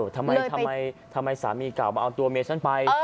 ทำไมสามีเก่ามาเอาตัวเมียฉันไป